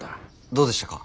どうでしたか？